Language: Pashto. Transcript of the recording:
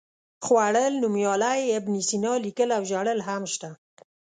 خوړل، نومیالی، ابن سینا، لیکل او ژړل هم شته.